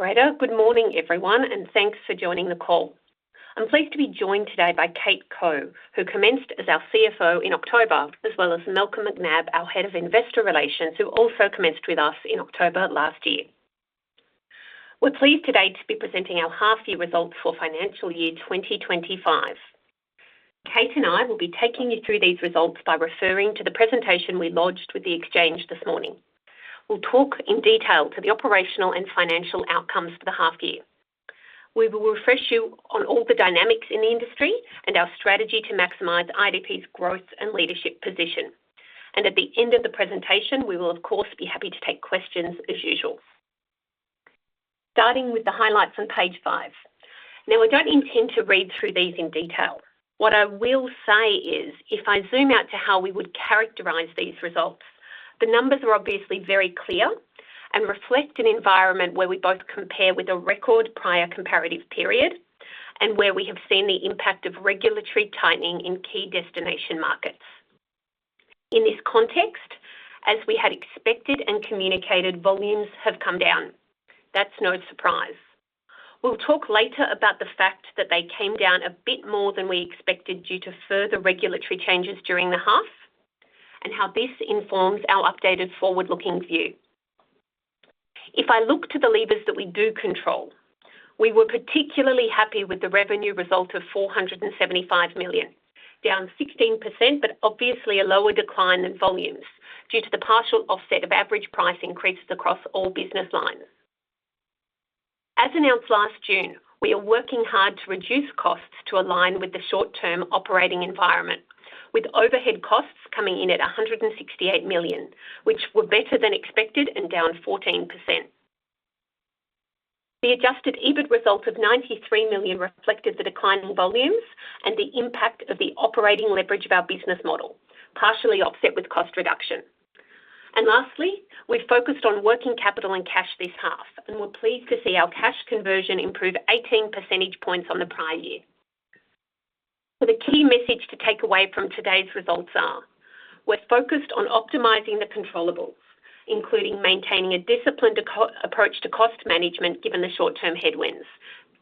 Thanks, Alfredo. Good morning, everyone, and thanks for joining the call. I'm pleased to be joined today by Kate Koch, who commenced as our CFO in October, as well as Malcolm McNab, our Head of Investor Relations, who also commenced with us in October last year. We're pleased today to be presenting our half-year results for financial year 2025. Kate and I will be taking you through these results by referring to the presentation we lodged with the Exchange this morning. We'll talk in detail to the operational and financial outcomes for the half-year. We will refresh you on all the dynamics in the industry and our strategy to maximize IDP's growth and leadership position. And at the end of the presentation, we will, of course, be happy to take questions as usual. Starting with the highlights on page five. Now, we don't intend to read through these in detail. What I will say is, if I zoom out to how we would characterize these results, the numbers are obviously very clear and reflect an environment where we both compare with a record prior comparative period and where we have seen the impact of regulatory tightening in key destination markets. In this context, as we had expected and communicated, volumes have come down. That's no surprise. We'll talk later about the fact that they came down a bit more than we expected due to further regulatory changes during the half and how this informs our updated forward-looking view. If I look to the levers that we do control, we were particularly happy with the revenue result of 475 million, down 16%, but obviously a lower decline than volumes due to the partial offset of average price increases across all business lines. As announced last June, we are working hard to reduce costs to align with the short-term operating environment, with overhead costs coming in at 168 million, which were better than expected and down 14%. The adjusted EBIT result of 93 million reflected the declining volumes and the impact of the operating leverage of our business model, partially offset with cost reduction. Lastly, we focused on working capital and cash this half, and we're pleased to see our cash conversion improve 18 percentage points on the prior year. The key message to take away from today's results is we're focused on optimizing the controllables, including maintaining a disciplined approach to cost management given the short-term headwinds,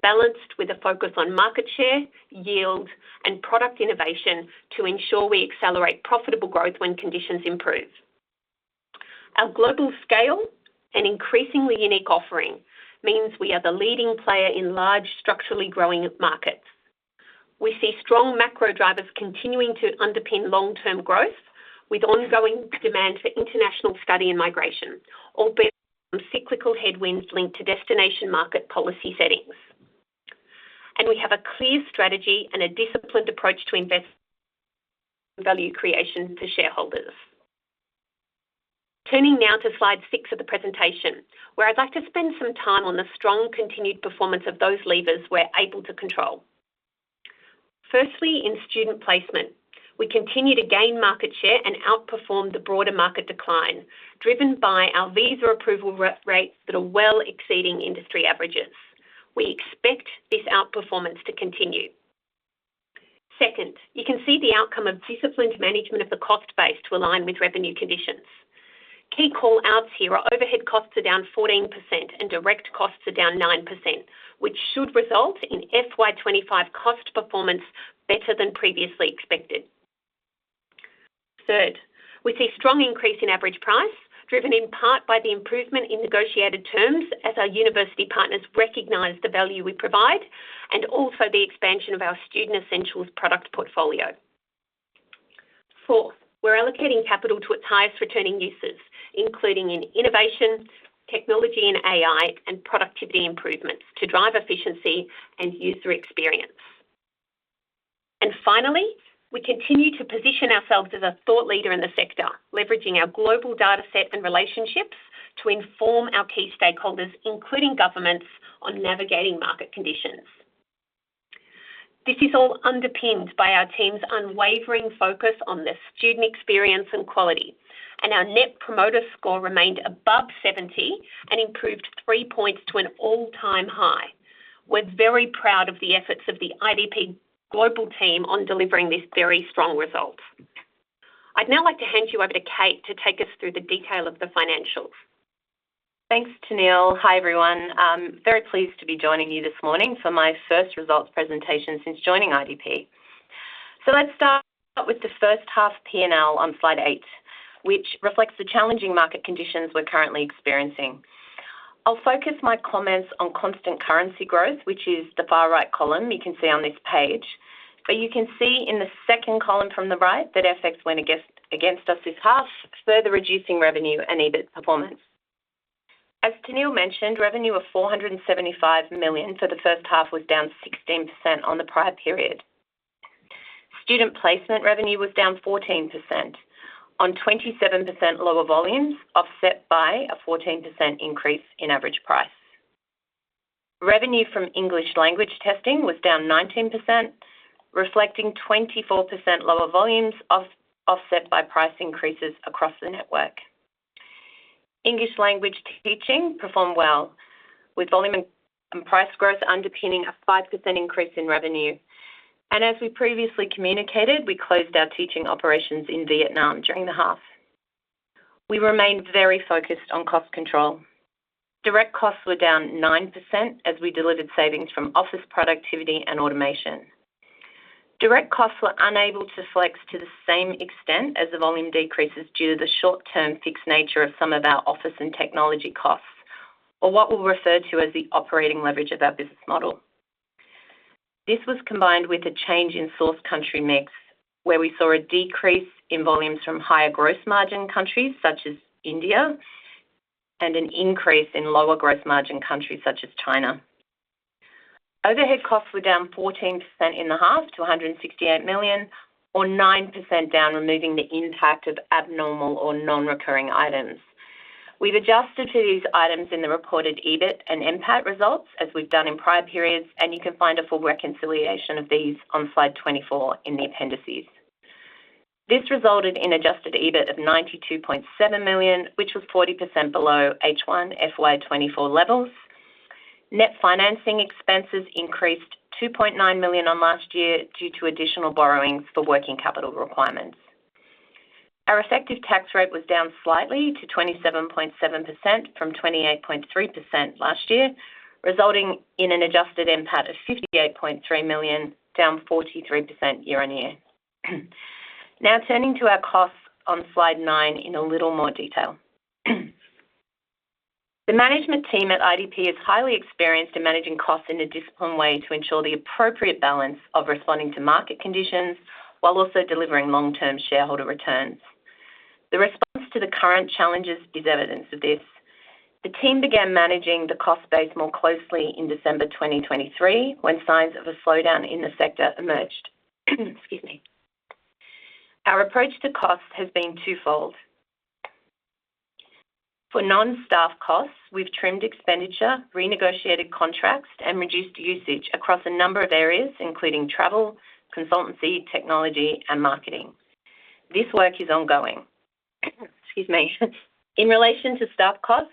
balanced with a focus on market share, yield, and product innovation to ensure we accelerate profitable growth when conditions improve. Our global scale and increasingly unique offering means we are the leading player in large structurally growing markets. We see strong macro drivers continuing to underpin long-term growth with ongoing demand for international study and migration, albeit some cyclical headwinds linked to destination market policy settings. And we have a clear strategy and a disciplined approach to invest value creation for shareholders. Turning now to slide six of the presentation, where I'd like to spend some time on the strong continued performance of those levers we're able to control. Firstly, in student placement, we continue to gain market share and outperform the broader market decline driven by our visa approval rates that are well exceeding industry averages. We expect this outperformance to continue. Second, you can see the outcome of disciplined management of the cost base to align with revenue conditions. Key call outs here are overhead costs are down 14% and direct costs are down 9%, which should result in FY25 cost performance better than previously expected. Third, we see a strong increase in average price driven in part by the improvement in negotiated terms as our university partners recognize the value we provide and also the expansion of our Student Essentials product portfolio. Fourth, we're allocating capital to its highest returning uses, including in innovation, technology, and AI, and productivity improvements to drive efficiency and user experience. And finally, we continue to position ourselves as a thought leader in the sector, leveraging our global data set and relationships to inform our key stakeholders, including governments, on navigating market conditions. This is all underpinned by our team's unwavering focus on the student experience and quality, and our Net Promoter Score remained above 70 and improved three points to an all-time high. We're very proud of the efforts of the IDP Global team on delivering this very strong result. I'd now like to hand you over to Kate to take us through the detail of the financials. Thanks, Tennealle. Hi, everyone. I'm very pleased to be joining you this morning for my first results presentation since joining IDP, so let's start with the first half P&L on slide eight, which reflects the challenging market conditions we're currently experiencing. I'll focus my comments on constant currency growth, which is the far right column you can see on this page, but you can see in the second column from the right that FX went against us this half, further reducing revenue and EBIT performance. As Tennealle mentioned, revenue of AUD 475 million for the first half was down 16% on the prior period. Student placement revenue was down 14% on 27% lower volumes, offset by a 14% increase in average price. Revenue from English language testing was down 19%, reflecting 24% lower volumes, offset by price increases across the network. English language teaching performed well, with volume and price growth underpinning a 5% increase in revenue. And as we previously communicated, we closed our teaching operations in Vietnam during the half. We remained very focused on cost control. Direct costs were down 9% as we delivered savings from office productivity and automation. Direct costs were unable to flex to the same extent as the volume decreases due to the short-term fixed nature of some of our office and technology costs, or what we'll refer to as the operating leverage of our business model. This was combined with a change in source country mix, where we saw a decrease in volumes from higher gross margin countries such as India and an increase in lower gross margin countries such as China. Overhead costs were down 14% in the half to 168 million, or nine% down, removing the impact of abnormal or non-recurring items. We've adjusted to these items in the reported EBIT and NPAT results, as we've done in prior periods, and you can find a full reconciliation of these on slide 24 in the appendices. This resulted in adjusted EBIT of 92.7 million, which was 40% below H1 FY24 levels. Net financing expenses increased 2.9 million last year due to additional borrowings for working capital requirements. Our effective tax rate was down slightly to 27.7% from 28.3% last year, resulting in an adjusted NPAT of 58.3 million, down 43% year on year. Now, turning to our costs on slide nine in a little more detail. The management team at IDP is highly experienced in managing costs in a disciplined way to ensure the appropriate balance of responding to market conditions while also delivering long-term shareholder returns. The response to the current challenges is evidence of this. The team began managing the cost base more closely in December 2023 when signs of a slowdown in the sector emerged. Excuse me. Our approach to costs has been twofold. For non-staff costs, we've trimmed expenditure, renegotiated contracts, and reduced usage across a number of areas, including travel, consultancy, technology, and marketing. This work is ongoing. Excuse me. In relation to staff costs,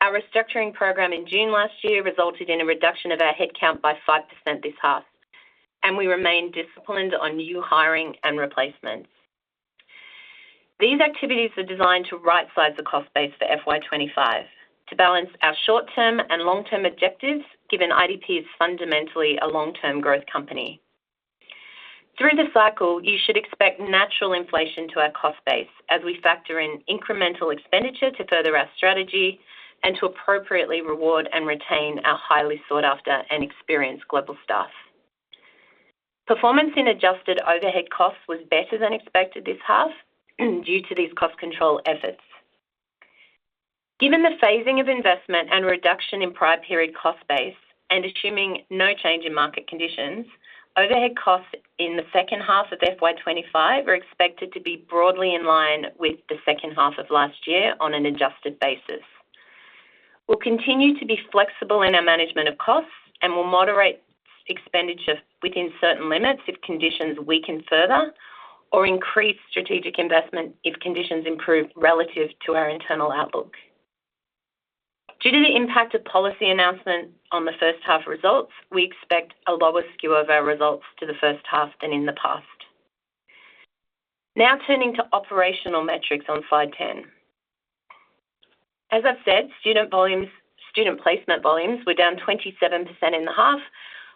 our restructuring program in June last year resulted in a reduction of our headcount by 5% this half, and we remain disciplined on new hiring and replacements. These activities are designed to right-size the cost base for FY25 to balance our short-term and long-term objectives, given IDP is fundamentally a long-term growth company. Through the cycle, you should expect natural inflation to our cost base as we factor in incremental expenditure to further our strategy and to appropriately reward and retain our highly sought-after and experienced global staff. Performance in adjusted overhead costs was better than expected this half due to these cost control efforts. Given the phasing of investment and reduction in prior period cost base and assuming no change in market conditions, overhead costs in the second half of FY25 are expected to be broadly in line with the second half of last year on an adjusted basis. We'll continue to be flexible in our management of costs and will moderate expenditure within certain limits if conditions weaken further or increase strategic investment if conditions improve relative to our internal outlook. Due to the impact of policy announcement on the first half results, we expect a lower skew of our results to the first half than in the past. Now, turning to operational metrics on slide 10. As I've said, student placement volumes were down 27% in the half,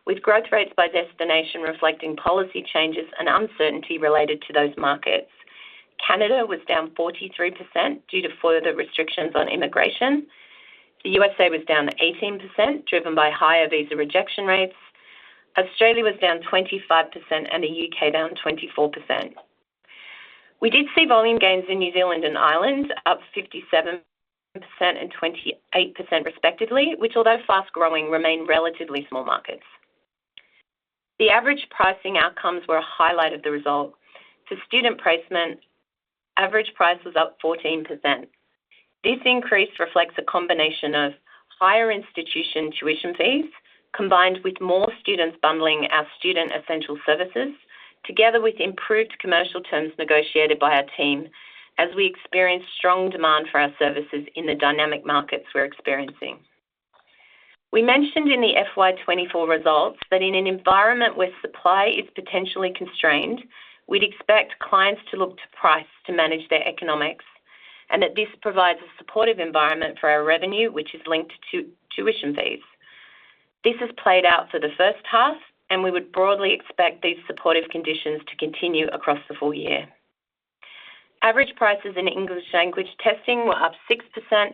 with growth rates by destination reflecting policy changes and uncertainty related to those markets. Canada was down 43% due to further restrictions on immigration. The USA was down 18%, driven by higher visa rejection rates. Australia was down 25% and the U.K. down 24%. We did see volume gains in New Zealand and Ireland, up 57% and 28% respectively, which, although fast-growing, remain relatively small markets. The average pricing outcomes were a highlight of the result. For student placement, average price was up 14%. This increase reflects a combination of higher institution tuition fees combined with more students bundling our student essential services, together with improved commercial terms negotiated by our team as we experience strong demand for our services in the dynamic markets we're experiencing. We mentioned in the FY24 results that in an environment where supply is potentially constrained, we'd expect clients to look to price to manage their economics and that this provides a supportive environment for our revenue, which is linked to tuition fees. This has played out for the first half, and we would broadly expect these supportive conditions to continue across the full year. Average prices in English language testing were up 6%.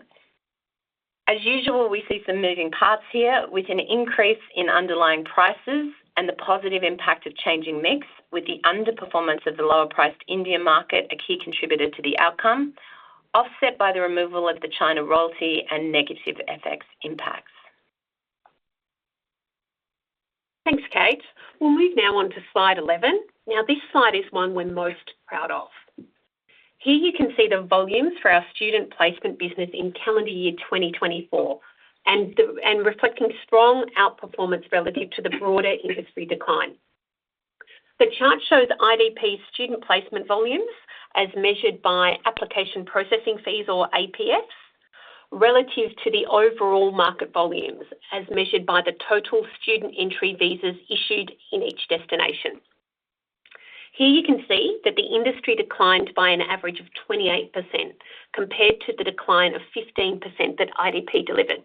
As usual, we see some moving parts here, with an increase in underlying prices and the positive impact of changing mix, with the underperformance of the lower-priced Indian market a key contributor to the outcome, offset by the removal of the China royalty and negative FX impacts. Thanks, Kate. We'll move now on to slide 11. Now, this slide is one we're most proud of. Here you can see the volumes for our student placement business in calendar year 2024 and reflecting strong outperformance relative to the broader industry decline. The chart shows IDP student placement volumes as measured by application processing fees, or APFs, relative to the overall market volumes as measured by the total student entry visas issued in each destination. Here you can see that the industry declined by an average of 28% compared to the decline of 15% that IDP delivered.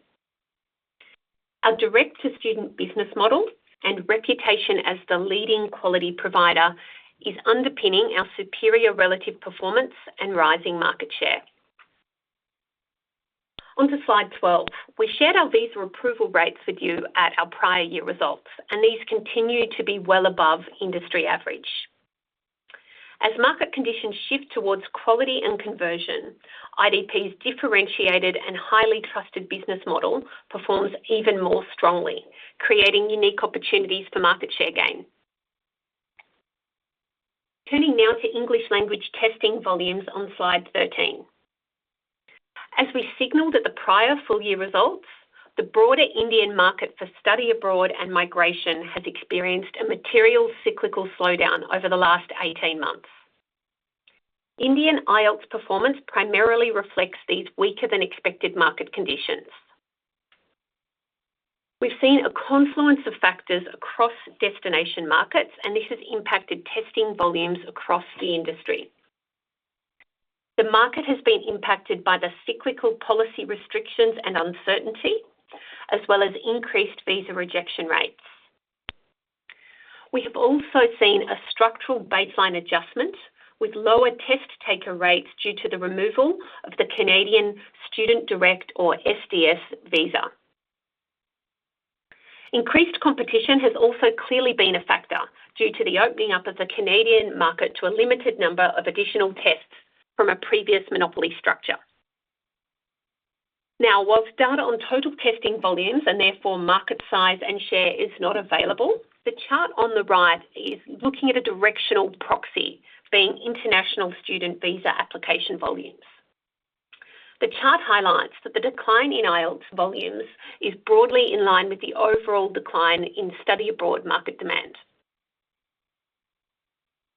Our direct-to-student business model and reputation as the leading quality provider is underpinning our superior relative performance and rising market share. Onto slide 12. We shared our visa approval rates with you at our prior year results, and these continue to be well above industry average. As market conditions shift towards quality and conversion, IDP's differentiated and highly trusted business model performs even more strongly, creating unique opportunities for market share gain. Turning now to English language testing volumes on slide 13. As we signaled at the prior full year results, the broader Indian market for study abroad and migration has experienced a material cyclical slowdown over the last 18 months. Indian IELTS performance primarily reflects these weaker-than-expected market conditions. We've seen a confluence of factors across destination markets, and this has impacted testing volumes across the industry. The market has been impacted by the cyclical policy restrictions and uncertainty, as well as increased visa rejection rates. We have also seen a structural baseline adjustment with lower test taker rates due to the removal of the Canadian Student Direct Stream, or SDS, visa. Increased competition has also clearly been a factor due to the opening up of the Canadian market to a limited number of additional tests from a previous monopoly structure. Now, while data on total testing volumes and therefore market size and share is not available, the chart on the right is looking at a directional proxy being international student visa application volumes. The chart highlights that the decline in IELTS volumes is broadly in line with the overall decline in study abroad market demand.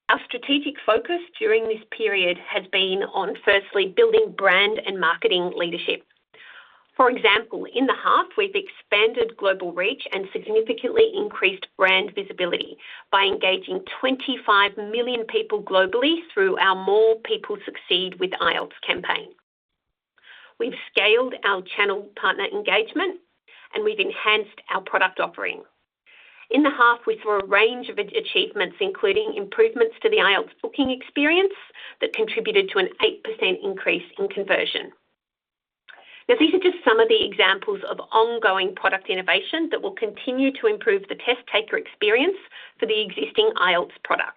Our strategic focus during this period has been on, firstly, building brand and marketing leadership. For example, in the half, we've expanded global reach and significantly increased brand visibility by engaging 25 million people globally through our More People Succeed with IELTS campaign. We've scaled our channel partner engagement, and we've enhanced our product offering. In the half, we saw a range of achievements, including improvements to the IELTS booking experience that contributed to an 8% increase in conversion. Now, these are just some of the examples of ongoing product innovation that will continue to improve the test taker experience for the existing IELTS products.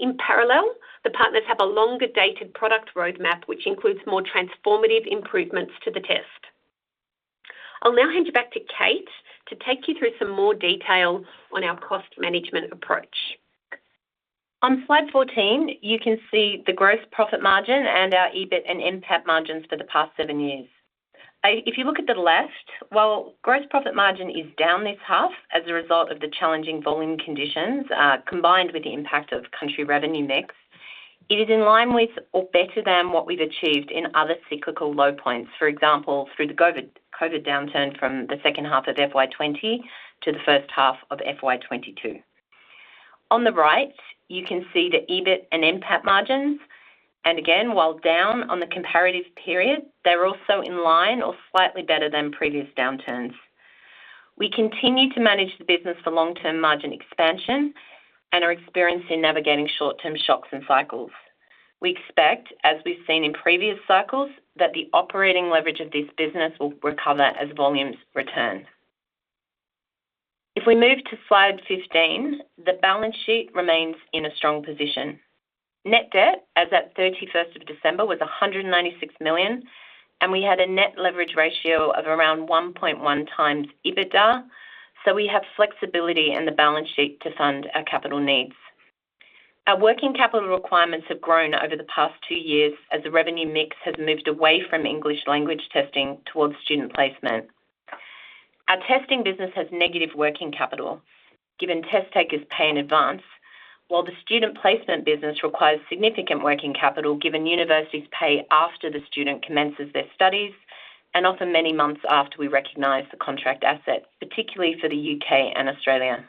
In parallel, the partners have a longer-dated product roadmap, which includes more transformative improvements to the test. I'll now hand you back to Kate to take you through some more detail on our cost management approach. On slide 14, you can see the gross profit margin and our EBIT and NPAT margins for the past seven years. If you look at the left, while gross profit margin is down this half as a result of the challenging volume conditions combined with the impact of country revenue mix, it is in line with or better than what we've achieved in other cyclical low points, for example, through the COVID downturn from the second half of FY20 to the first half of FY22. On the right, you can see the EBIT and NPAT margins. And again, while down on the comparative period, they're also in line or slightly better than previous downturns. We continue to manage the business for long-term margin expansion and are experienced in navigating short-term shocks and cycles. We expect, as we've seen in previous cycles, that the operating leverage of this business will recover as volumes return. If we move to slide 15, the balance sheet remains in a strong position. Net Debt, as of 31st of December, was 196 million, and we had a net leverage ratio of around 1.1x EBITDA, so we have flexibility in the balance sheet to fund our capital needs. Our working capital requirements have grown over the past two years as the revenue mix has moved away from English language testing towards student placement. Our testing business has negative working capital, given test takers pay in advance, while the student placement business requires significant working capital, given universities pay after the student commences their studies and often many months after we recognize the contract asset, particularly for the U.K. and Australia.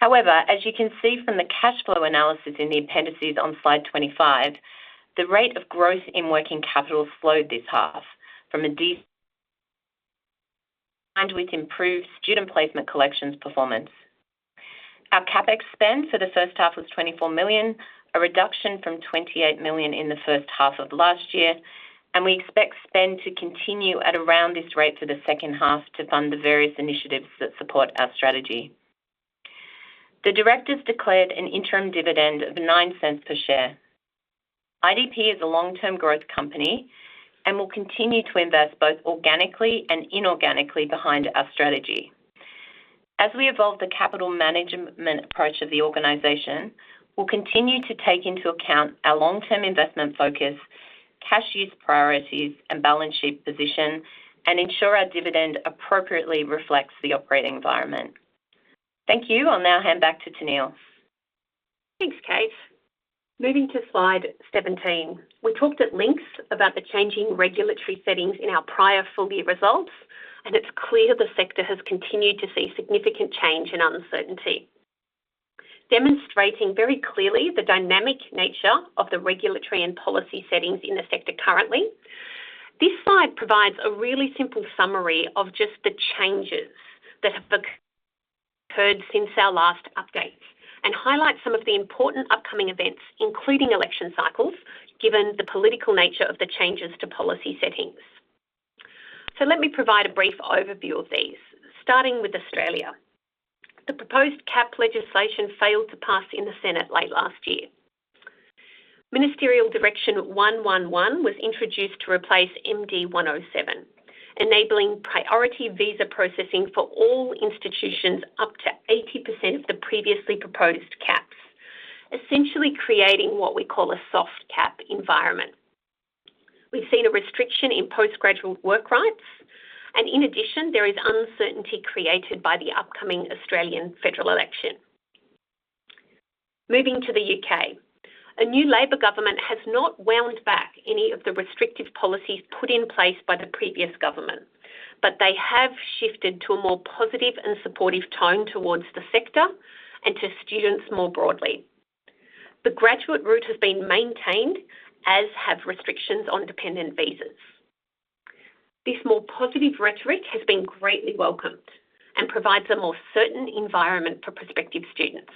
However, as you can see from the cash flow analysis in the appendices on slide 25, the rate of growth in working capital slowed this half from a decline with improved student placement collections performance. Our CapEx spend for the first half was 24 million, a reduction from 28 million in the first half of last year, and we expect spend to continue at around this rate for the second half to fund the various initiatives that support our strategy. The directors declared an interim dividend of 0.09 per share. IDP is a long-term growth company and will continue to invest both organically and inorganically behind our strategy. As we evolve the capital management approach of the organization, we'll continue to take into account our long-term investment focus, cash use priorities, and balance sheet position, and ensure our dividend appropriately reflects the operating environment. Thank you. I'll now hand back to Tennealle. Thanks, Kate. Moving to slide 17, we talked at length about the changing regulatory settings in our prior full year results, and it's clear the sector has continued to see significant change and uncertainty, demonstrating very clearly the dynamic nature of the regulatory and policy settings in the sector currently. This slide provides a really simple summary of just the changes that have occurred since our last update and highlights some of the important upcoming events, including election cycles, given the political nature of the changes to policy settings. So let me provide a brief overview of these, starting with Australia. The proposed cap legislation failed to pass in the Senate late last year. Ministerial Direction 111 was introduced to replace MD107, enabling priority visa processing for all institutions up to 80% of the previously proposed caps, essentially creating what we call a soft cap environment. We've seen a restriction in postgraduate work rights, and in addition, there is uncertainty created by the upcoming Australian federal election. Moving to the U.K., a new Labour government has not wound back any of the restrictive policies put in place by the previous government, but they have shifted to a more positive and supportive tone towards the sector and to students more broadly. The Graduate Route has been maintained, as have restrictions on dependent visas. This more positive rhetoric has been greatly welcomed and provides a more certain environment for prospective students.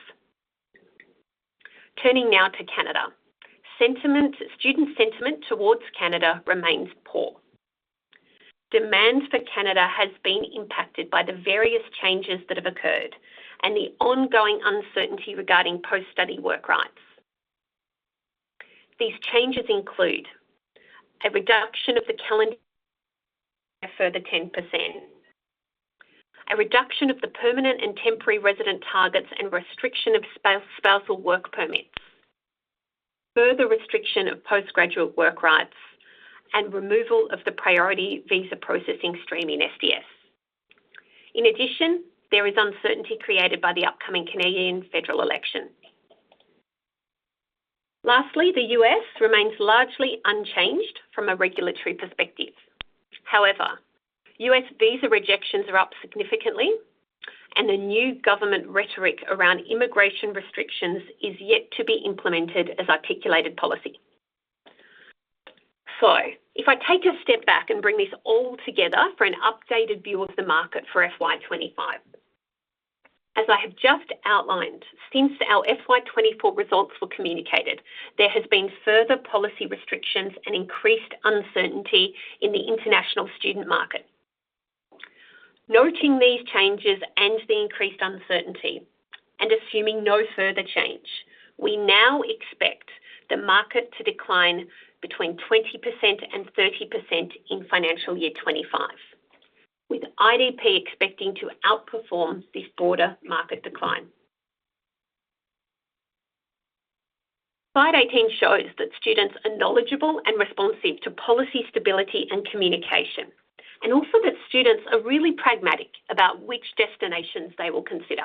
Turning now to Canada, student sentiment towards Canada remains poor. Demand for Canada has been impacted by the various changes that have occurred and the ongoing uncertainty regarding post-study work rights. These changes include a reduction of the calendar year by further 10%, a reduction of the permanent and temporary resident targets, and restriction of spousal work permits, further restriction of postgraduate work rights, and removal of the priority visa processing stream in SDS. In addition, there is uncertainty created by the upcoming Canadian federal election. Lastly, the U.S. remains largely unchanged from a regulatory perspective. However, U.S. visa rejections are up significantly, and the new government rhetoric around immigration restrictions is yet to be implemented as articulated policy. So if I take a step back and bring this all together for an updated view of the market for FY25, as I have just outlined, since our FY24 results were communicated, there has been further policy restrictions and increased uncertainty in the international student market. Noting these changes and the increased uncertainty and assuming no further change, we now expect the market to decline between 20% and 30% in Financial Year 2025, with IDP expecting to outperform this broader market decline. Slide 18 shows that students are knowledgeable and responsive to policy stability and communication, and also that students are really pragmatic about which destinations they will consider.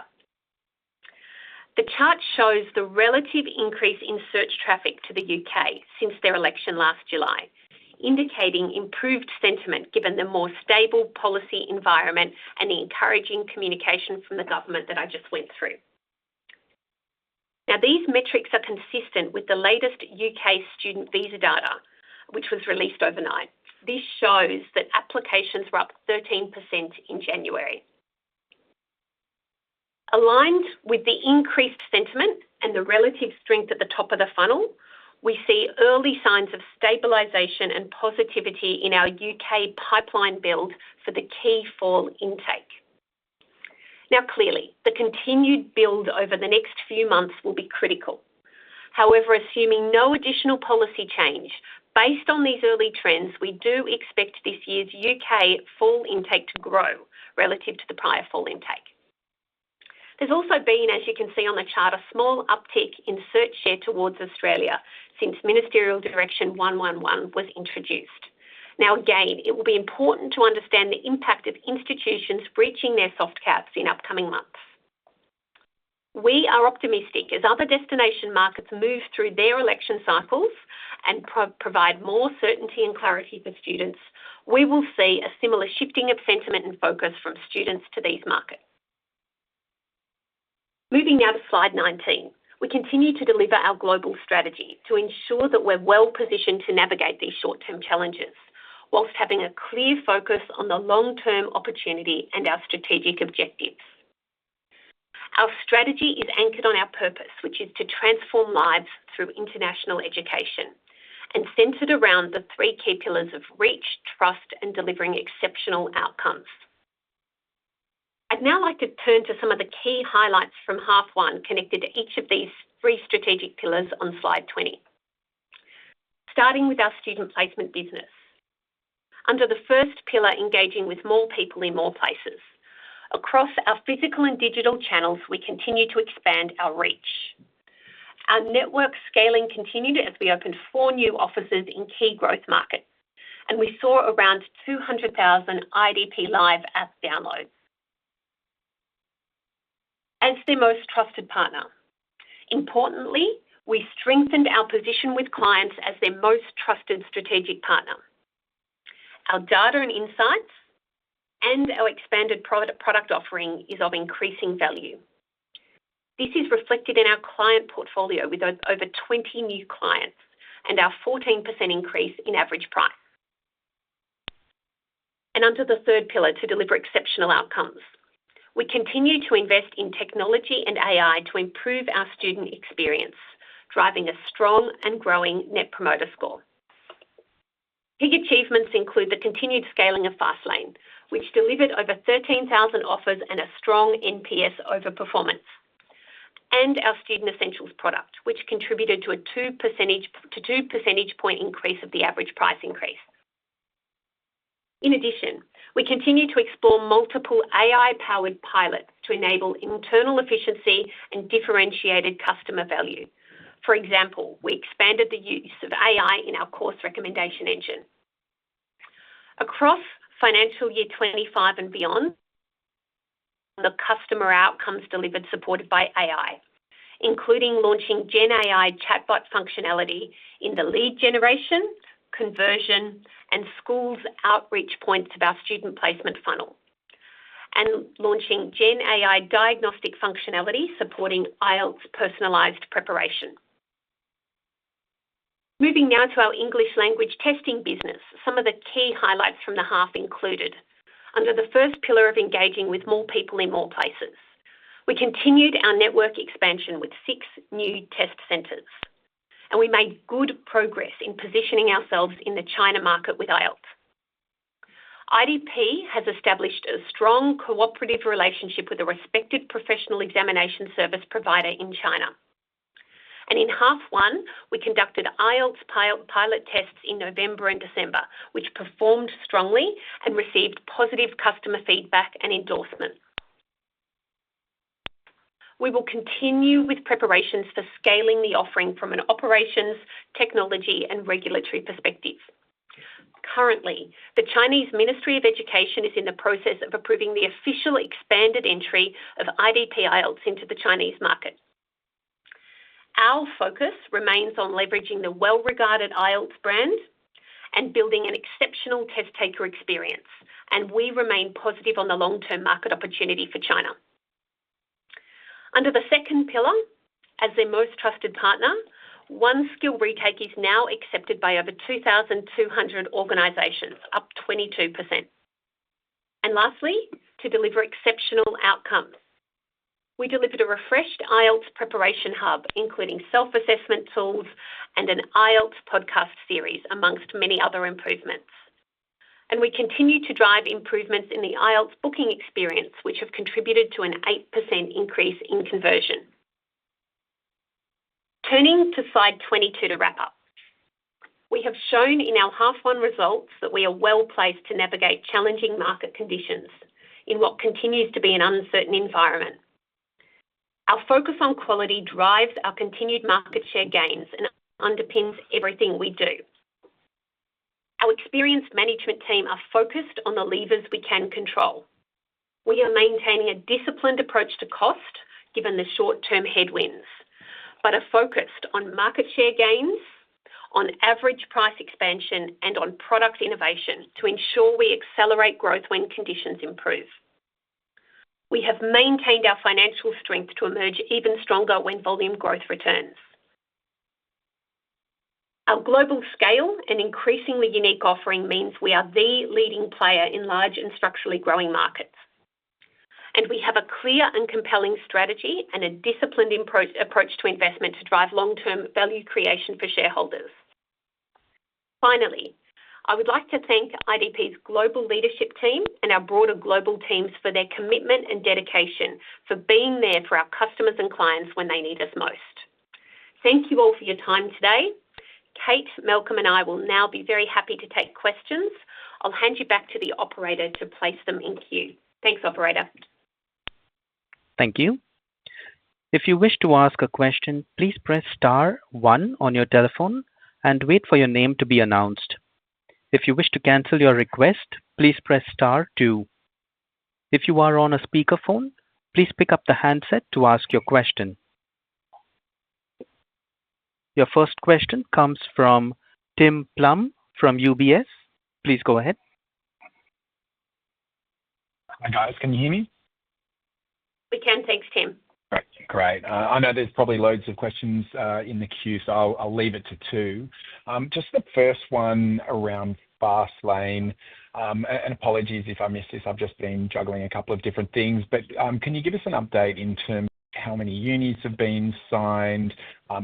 The chart shows the relative increase in search traffic to the U.K. since their election last July, indicating improved sentiment given the more stable policy environment and the encouraging communication from the government that I just went through. Now, these metrics are consistent with the latest U.K. student visa data, which was released overnight. This shows that applications were up 13% in January. Aligned with the increased sentiment and the relative strength at the top of the funnel, we see early signs of stabilization and positivity in our U.K. pipeline build for the key Fall intake. Now, clearly, the continued build over the next few months will be critical. However, assuming no additional policy change, based on these early trends, we do expect this year's U.K. Fall intake to grow relative to the prior Fall intake. There's also been, as you can see on the chart, a small uptick in search share towards Australia since Ministerial Direction 111 was introduced. Now, again, it will be important to understand the impact of institutions reaching their soft caps in upcoming months. We are optimistic as other destination markets move through their election cycles and provide more certainty and clarity for students. We will see a similar shifting of sentiment and focus from students to these markets. Moving now to slide 19, we continue to deliver our global strategy to ensure that we're well positioned to navigate these short-term challenges whilst having a clear focus on the long-term opportunity and our strategic objectives. Our strategy is anchored on our purpose, which is to transform lives through international education and centered around the three key pillars of reach, trust, and delivering exceptional outcomes. I'd now like to turn to some of the key highlights from half one connected to each of these three strategic pillars on slide 20, starting with our student placement business. Under the first pillar, engaging with more people in more places. Across our physical and digital channels, we continue to expand our reach. Our network scaling continued as we opened four new offices in key growth markets, and we saw around 200,000 IDP Live app downloads. As their most trusted partner, importantly, we strengthened our position with clients as their most trusted strategic partner. Our data and insights and our expanded product offering is of increasing value. This is reflected in our client portfolio with over 20 new clients and our 14% increase in average price, and under the third pillar, to deliver exceptional outcomes, we continue to invest in technology and AI to improve our student experience, driving a strong and growing Net Promoter Score. Big achievements include the continued scaling of FastLane, which delivered over 13,000 offers and a strong NPS overperformance, and our Student Essentials product, which contributed to a 2% point increase of the average price increase. In addition, we continue to explore multiple AI-powered pilots to enable internal efficiency and differentiated customer value. For example, we expanded the use of AI in our course recommendation engine. Across financial year 25 and beyond, the customer outcomes delivered supported by AI, including launching GenAI chatbot functionality in the lead generation, conversion, and schools outreach points of our student placement funnel, and launching GenAI diagnostic functionality supporting IELTS personalized preparation. Moving now to our English language testing business, some of the key highlights from the half included. Under the first pillar of engaging with more people in more places, we continued our network expansion with six new test centers, and we made good progress in positioning ourselves in the China market with IELTS. IDP has established a strong cooperative relationship with a respected professional examination service provider in China. And in half one, we conducted IELTS pilot tests in November and December, which performed strongly and received positive customer feedback and endorsement. We will continue with preparations for scaling the offering from an operations, technology, and regulatory perspective. Currently, the Chinese Ministry of Education is in the process of approving the official expanded entry of IDP IELTS into the Chinese market. Our focus remains on leveraging the well-regarded IELTS brand and building an exceptional test taker experience, and we remain positive on the long-term market opportunity for China. Under the second pillar, as their most trusted partner, One Skill Retake is now accepted by over 2,200 organizations, up 22%. And lastly, to deliver exceptional outcomes, we delivered a refreshed IELTS preparation hub, including self-assessment tools and an IELTS podcast series, among many other improvements. And we continue to drive improvements in the IELTS booking experience, which have contributed to an 8% increase in conversion. Turning to slide 22 to wrap up, we have shown in our half one results that we are well placed to navigate challenging market conditions in what continues to be an uncertain environment. Our focus on quality drives our continued market share gains and underpins everything we do. Our experienced management team are focused on the levers we can control. We are maintaining a disciplined approach to cost given the short-term headwinds, but are focused on market share gains, on average price expansion, and on product innovation to ensure we accelerate growth when conditions improve. We have maintained our financial strength to emerge even stronger when volume growth returns. Our global scale and increasingly unique offering means we are the leading player in large and structurally growing markets, and we have a clear and compelling strategy and a disciplined approach to investment to drive long-term value creation for shareholders. Finally, I would like to thank IDP's global leadership team and our broader global teams for their commitment and dedication for being there for our customers and clients when they need us most. Thank you all for your time today. Kate, Malcolm, and I will now be very happy to take questions. I'll hand you back to the operator to place them in queue. Thanks, operator. Thank you. If you wish to ask a question, please press star one on your telephone and wait for your name to be announced. If you wish to cancel your request, please press Star two. If you are on a speakerphone, please pick up the handset to ask your question. Your first question comes from Tim Plumbe from UBS. Please go ahead. Hi, guys. Can you hear me? We can. Thanks, Tim. Great. Great. I know there's probably loads of questions in the queue, so I'll leave it to two. Just the first one around FastLane, and apologies if I missed this. I've just been juggling a couple of different things. But can you give us an update in terms of how many unis have been signed,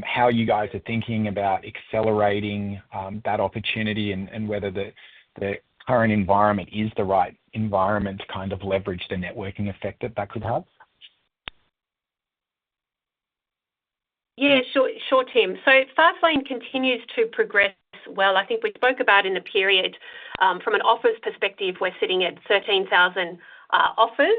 how you guys are thinking about accelerating that opportunity, and whether the current environment is the right environment to kind of leverage the networking effect that that could have? Yeah, sure, Tim. So FastLane continues to progress well. I think we spoke about in the period, from an offers perspective, we're sitting at 13,000 offers,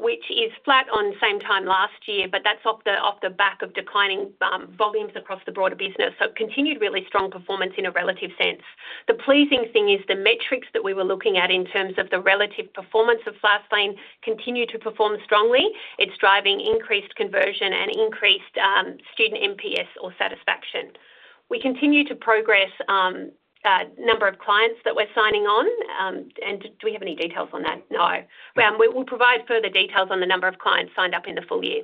which is flat on same time last year, but that's off the back of declining volumes across the broader business. So continued really strong performance in a relative sense. The pleasing thing is the metrics that we were looking at in terms of the relative performance of FastLane continue to perform strongly. It's driving increased conversion and increased student NPS or satisfaction. We continue to progress the number of clients that we're signing on. And do we have any details on that? No. We will provide further details on the number of clients signed up in the full year.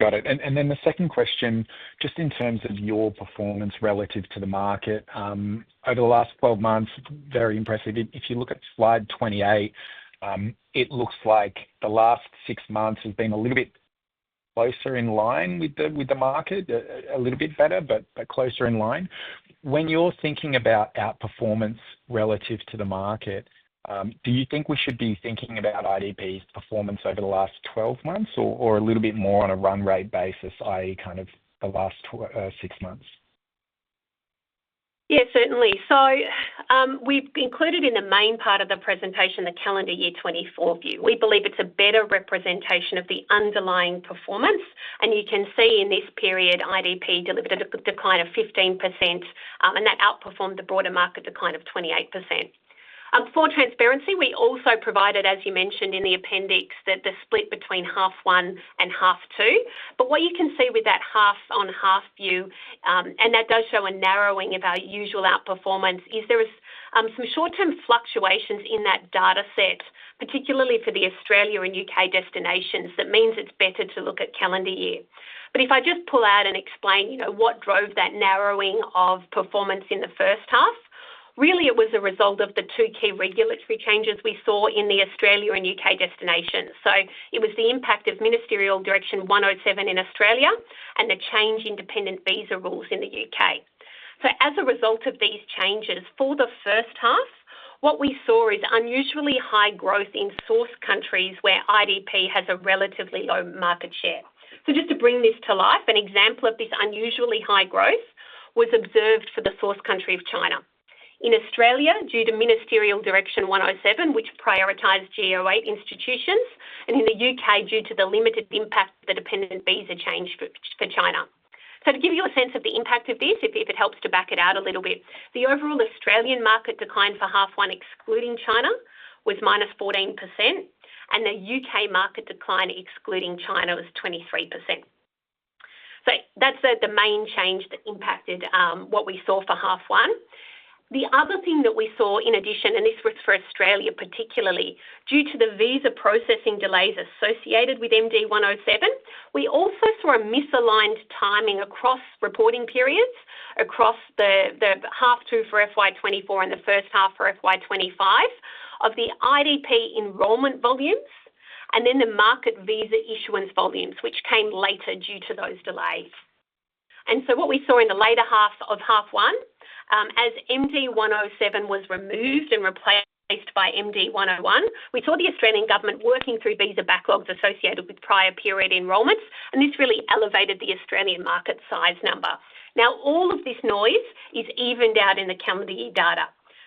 Got it. And then the second question, just in terms of your performance relative to the market over the last 12 months, very impressive. If you look at slide 28, it looks like the last six months have been a little bit closer in line with the market, a little bit better, but closer in line. When you're thinking about our performance relative to the market, do you think we should be thinking about IDP's performance over the last 12 months or a little bit more on a run rate basis, i.e., kind of the last six months? Yeah, certainly. So we've included in the main part of the presentation the calendar year 2024 view. We believe it's a better representation of the underlying performance. And you can see in this period, IDP delivered a decline of 15%, and that outperformed the broader market decline of 28%. For transparency, we also provided, as you mentioned in the appendix, the split between half one and half two. But what you can see with that half on half view, and that does show a narrowing of our usual outperformance, is there are some short-term fluctuations in that data set, particularly for the Australia and U.K. destinations. That means it's better to look at calendar year. But if I just pull out and explain what drove that narrowing of performance in the first half, really it was a result of the two key regulatory changes we saw in the Australia and U.K. destinations. So it was the impact of Ministerial Direction 107 in Australia and the change in dependent visa rules in the U.K.. So as a result of these changes, for the first half, what we saw is unusually high growth in source countries where IDP has a relatively low market share. So just to bring this to life, an example of this unusually high growth was observed for the source country of China. In Australia, due to Ministerial Direction 107, which prioritized Go8 institutions, and in the U.K., due to the limited impact of the dependent visa change for China. So to give you a sense of the impact of this, if it helps to back it out a little bit, the overall Australian market decline for half one excluding China was -14%, and the U.K. market decline excluding China was 23%. So that's the main change that impacted what we saw for half one. The other thing that we saw in addition, and this was for Australia particularly, due to the visa processing delays associated with MD107, we also saw a misaligned timing across reporting periods, across the half two for FY24 and the first half for FY25, of the IDP enrollment volumes and then the market visa issuance volumes, which came later due to those delays. And so what we saw in the later half of half one, as MD 107 was removed and replaced by MD 111, we saw the Australian government working through visa backlogs associated with prior period enrollments, and this really elevated the Australian market size number. Now, all of this noise is evened out in the calendar year data.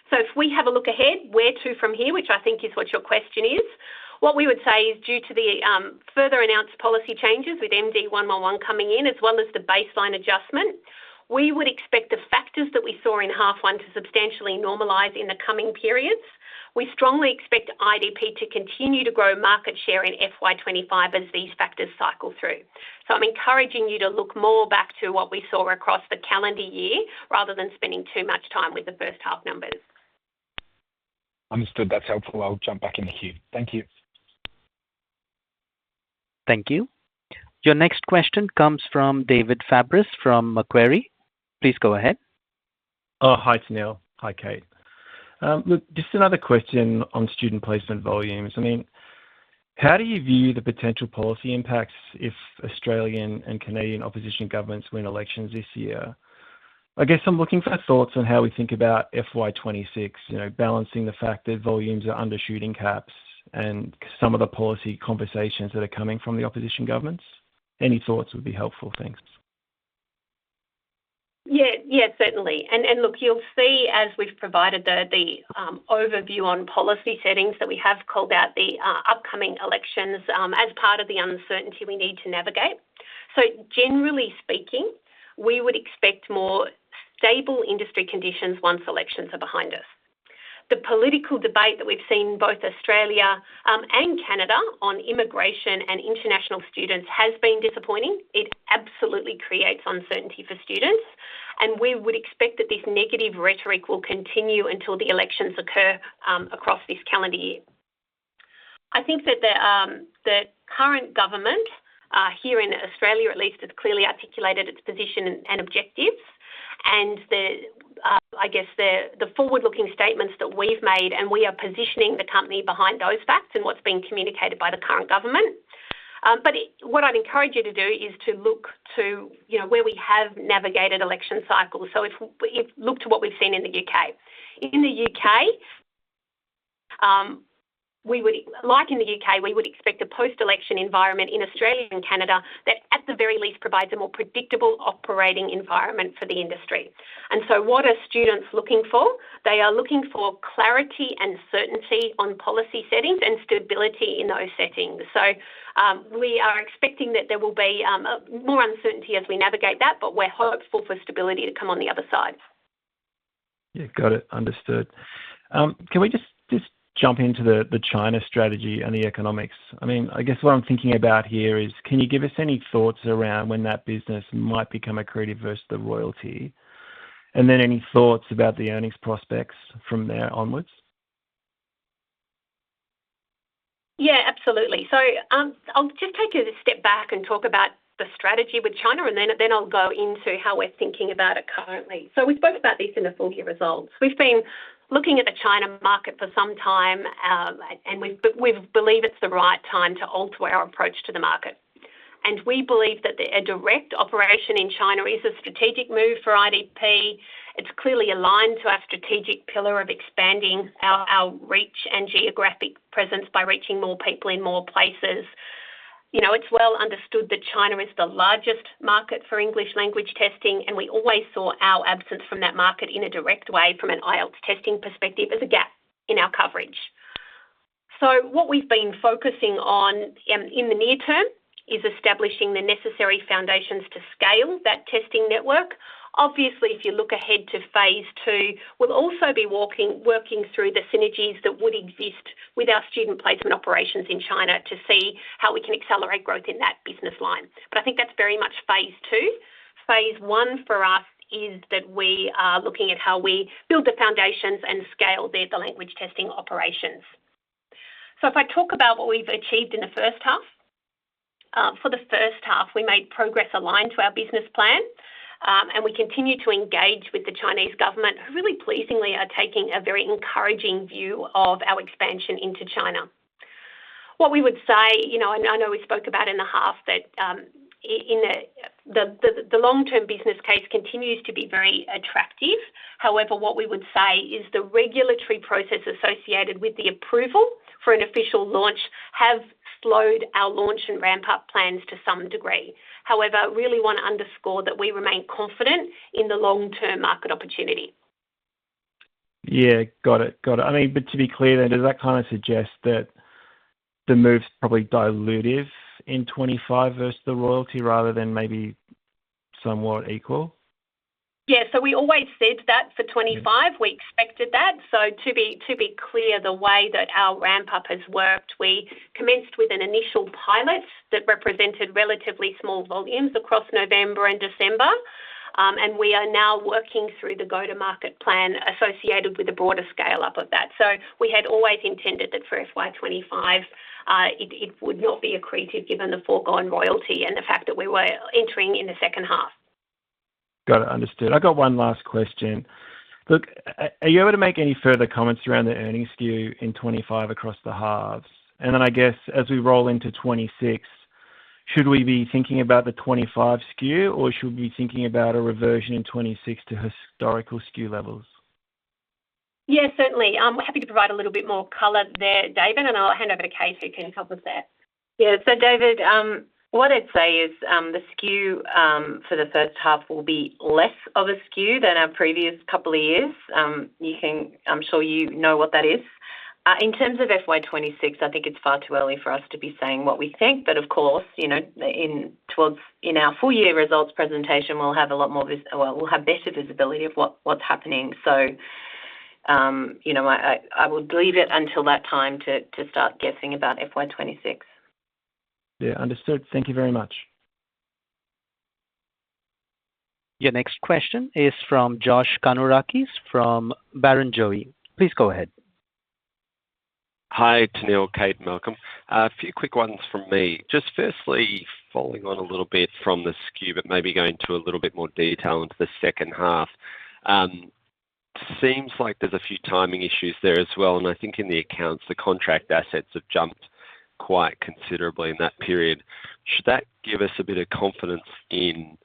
So if we have a look ahead, where to from here, which I think is what your question is, what we would say is due to the further announced policy changes with MD 111 coming in, as well as the baseline adjustment, we would expect the factors that we saw in half one to substantially normalize in the coming periods. We strongly expect IDP to continue to grow market share in FY25 as these factors cycle through. So I'm encouraging you to look more back to what we saw across the calendar year rather than spending too much time with the first half numbers. Understood. That's helpful. I'll jump back in the queue. Thank you. Thank you. Your next question comes from David Fabris from Macquarie. Please go ahead. Hi, Tennealle. Hi, Kate. Just another question on student placement volumes. I mean, how do you view the potential policy impacts if Australian and Canadian opposition governments win elections this year? I guess I'm looking for thoughts on how we think about FY26, balancing the fact that volumes are undershooting caps and some of the policy conversations that are coming from the opposition governments. Any thoughts would be helpful. Thanks. Yeah, yeah, certainly. And look, you'll see as we've provided the overview on policy settings that we have called out the upcoming elections as part of the uncertainty we need to navigate. So generally speaking, we would expect more stable industry conditions once elections are behind us. The political debate that we've seen both Australia and Canada on immigration and international students has been disappointing. It absolutely creates uncertainty for students, and we would expect that this negative rhetoric will continue until the elections occur across this calendar year. I think that the current government here in Australia, at least, has clearly articulated its position and objectives, and I guess the forward-looking statements that we've made, and we are positioning the company behind those facts and what's been communicated by the current government. But what I'd encourage you to do is to look to where we have navigated election cycles. So look to what we've seen in the U.K. In the U.K., like in the U.K., we would expect a post-election environment in Australia and Canada that at the very least provides a more predictable operating environment for the industry. And so what are students looking for? They are looking for clarity and certainty on policy settings and stability in those settings. So we are expecting that there will be more uncertainty as we navigate that, but we're hopeful for stability to come on the other side. Yeah, got it. Understood. Can we just jump into the China strategy and the economics? I mean, I guess what I'm thinking about here is, can you give us any thoughts around when that business might become accredited versus the royalty? And then any thoughts about the earnings prospects from there onwards? Yeah, absolutely, so I'll just take a step back and talk about the strategy with China, and then I'll go into how we're thinking about it currently, so we spoke about this in the full year results. We've been looking at the China market for some time, and we believe it's the right time to alter our approach to the market, and we believe that a direct operation in China is a strategic move for IDP. It's clearly aligned to our strategic pillar of expanding our reach and geographic presence by reaching more people in more places. It's well understood that China is the largest market for English language testing, and we always saw our absence from that market in a direct way from an IELTS testing perspective as a gap in our coverage. So what we've been focusing on in the near term is establishing the necessary foundations to scale that testing network. Obviously, if you look ahead to phase two, we'll also be working through the synergies that would exist with our student placement operations in China to see how we can accelerate growth in that business line. But I think that's very much phase two. Phase one for us is that we are looking at how we build the foundations and scale the language testing operations. So if I talk about what we've achieved in the first half, for the first half, we made progress aligned to our business plan, and we continue to engage with the Chinese government, who really pleasingly are taking a very encouraging view of our expansion into China. What we would say, and I know we spoke about in the half, that the long-term business case continues to be very attractive. However, what we would say is the regulatory process associated with the approval for an official launch has slowed our launch and ramp-up plans to some degree. However, I really want to underscore that we remain confident in the long-term market opportunity. Yeah, got it. Got it. I mean, but to be clear, then does that kind of suggest that the move is probably dilutive in 25 versus the royalty rather than maybe somewhat equal? Yeah. So we always said that for 25. We expected that. So to be clear, the way that our ramp-up has worked, we commenced with an initial pilot that represented relatively small volumes across November and December, and we are now working through the go-to-market plan associated with a broader scale-up of that. So we had always intended that for FY25, it would not be accretive given the foregone royalty and the fact that we were entering in the second half. Got it. Understood. I've got one last question. Look, are you able to make any further comments around the earnings skew in 25 across the halves? And then I guess as we roll into 26, should we be thinking about the 25 skew, or should we be thinking about a reversion in 26 to historical skew levels? Yeah, certainly. I'm happy to provide a little bit more color there, David, and I'll hand over to Kate who can help us there. Yeah, so David, what I'd say is the skew for the first half will be less of a skew than our previous couple of years. I'm sure you know what that is. In terms of FY26, I think it's far too early for us to be saying what we think, but of course, towards our full year results presentation, we'll have a lot more visibility. We'll have better visibility of what's happening, so you know, I would leave it until that time to start guessing about FY26. Yeah. Understood. Thank you very much. Yeah. Next question is from Josh Kannourakis from Barrenjoey. Please go ahead. Hi, Tennealle, Kate, and Malcolm. A few quick ones from me. Just firstly, following on a little bit from the skew, but maybe going to a little bit more detail into the second half, it seems like there's a few timing issues there as well. And I think in the accounts, the contract assets have jumped quite considerably in that period. Should that give us a bit of confidence in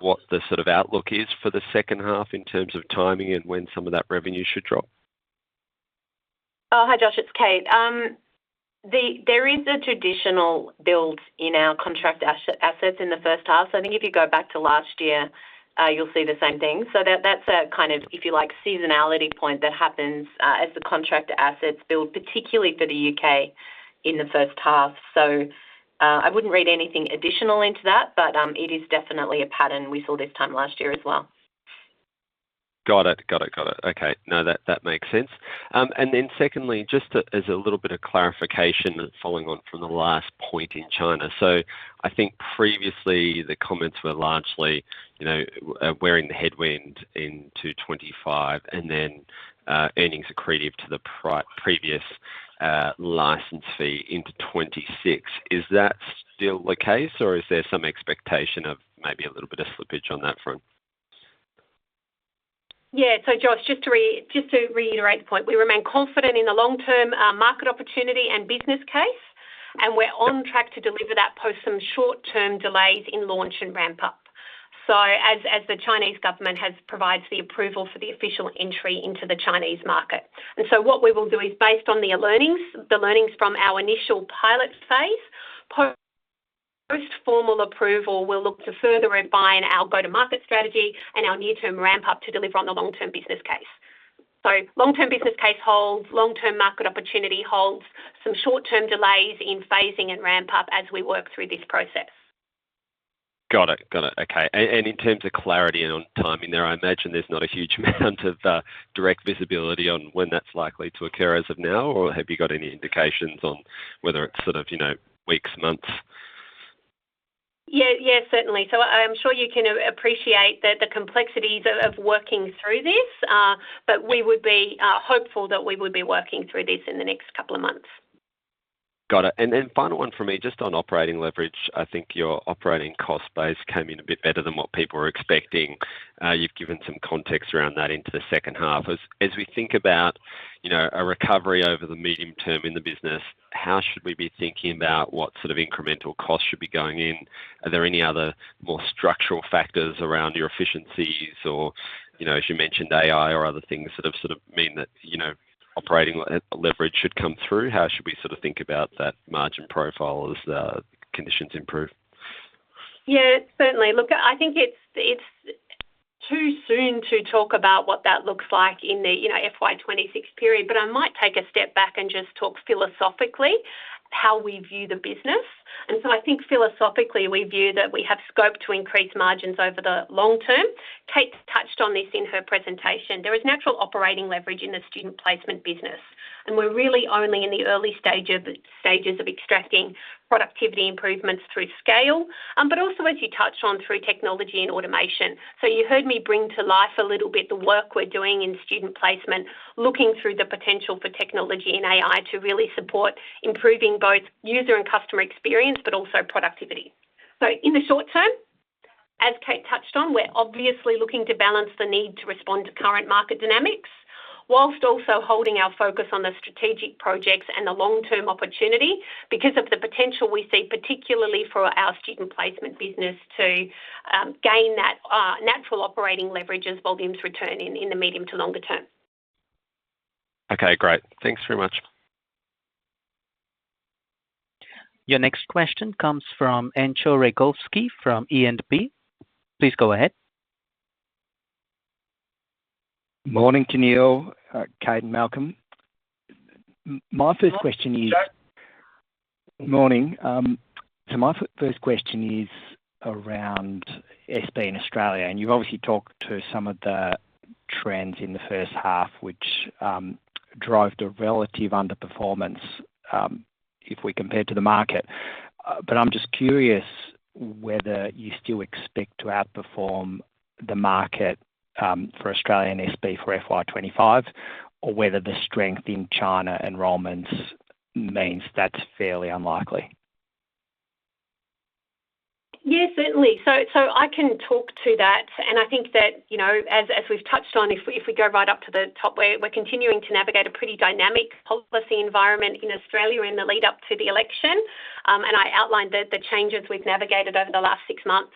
what the sort of outlook is for the second half in terms of timing and when some of that revenue should drop? Hi, Josh. It's Kate. There is a traditional build in our contract assets in the first half. So I think if you go back to last year, you'll see the same thing. So that's a kind of, if you like, seasonality point that happens as the contract assets build, particularly for the U.K. in the first half. So I wouldn't read anything additional into that, but it is definitely a pattern we saw this time last year as well. Got it. Okay. No, that makes sense. And then secondly, just as a little bit of clarification following on from the last point in China. So I think previously the comments were largely weathering the headwind into 2025 and then earnings accreted to the previous license fee into 2026. Is that still the case, or is there some expectation of maybe a little bit of slippage on that front? Yeah. So Josh, just to reiterate the point, we remain confident in the long-term market opportunity and business case, and we're on track to deliver that post some short-term delays in launch and ramp-up, so as the Chinese government has provided the approval for the official entry into the Chinese market, and so what we will do is, based on the learnings from our initial pilot phase, post-formal approval, we'll look to further refine our go-to-market strategy and our near-term ramp-up to deliver on the long-term business case, so long-term business case holds, long-term market opportunity holds, some short-term delays in phasing and ramp-up as we work through this process. Got it. Got it. Okay. And in terms of clarity and on timing there, I imagine there's not a huge amount of direct visibility on when that's likely to occur as of now, or have you got any indications on whether it's sort of weeks, months? Yeah. Yeah, certainly. So I'm sure you can appreciate the complexities of working through this, but we would be hopeful that we would be working through this in the next couple of months. Got it, and then final one for me, just on operating leverage. I think your operating cost base came in a bit better than what people were expecting. You've given some context around that into the second half. As we think about a recovery over the medium term in the business, how should we be thinking about what sort of incremental costs should be going in? Are there any other more structural factors around your efficiencies or, as you mentioned, AI or other things that have sort of meant that operating leverage should come through? How should we sort of think about that margin profile as conditions improve? Yeah, certainly. Look, I think it's too soon to talk about what that looks like in the FY26 period, but I might take a step back and just talk philosophically how we view the business, and so I think philosophically we view that we have scope to increase margins over the long term. Kate touched on this in her presentation. There is natural operating leverage in the student placement business, and we're really only in the early stages of extracting productivity improvements through scale, but also, as you touched on, through technology and automation, so you heard me bring to life a little bit the work we're doing in student placement, looking through the potential for technology and AI to really support improving both user and customer experience, but also productivity. In the short term, as Kate touched on, we're obviously looking to balance the need to respond to current market dynamics whilst also holding our focus on the strategic projects and the long-term opportunity because of the potential we see, particularly for our student placement business, to gain that natural operating leverage as volumes return in the medium to longer term. Okay. Great. Thanks very much. Your next question comes from Entcho Raykovski from E&P. Please go ahead. Morning, Tennealle, Kate, and Malcolm. So my first question is around SP in Australia, and you've obviously talked to some of the trends in the first half, which drove the relative underperformance if we compared to the market. But I'm just curious whether you still expect to outperform the market for Australia and SP for FY25, or whether the strength in China enrollments means that's fairly unlikely. Yeah, certainly. So I can talk to that. And I think that, as we've touched on, if we go right up to the top, we're continuing to navigate a pretty dynamic policy environment in Australia in the lead-up to the election. And I outlined the changes we've navigated over the last six months.